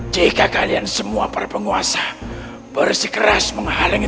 jika kalian semua para penguasa bersikeras melengkarkan tujuan kami